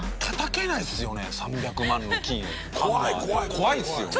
怖いですよね。